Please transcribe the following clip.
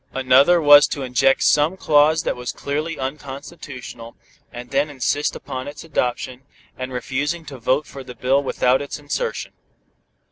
Another was to inject some clause that was clearly unconstitutional, and insist upon its adoption, and refusing to vote for the bill without its insertion.